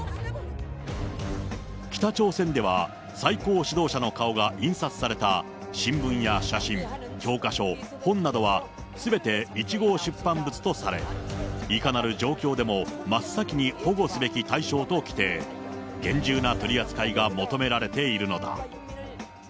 北朝鮮では、最高指導者の顔が印刷された新聞や写真、教科書、本などはすべて１号出版物とされ、いかなる状況でも真っ先に保護すべき対象と規定、厳重な取り扱いが求められているのだ。